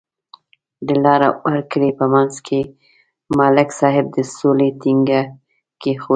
د لر او بر کلي په منځ کې ملک صاحب د سولې تیگه کېښوده.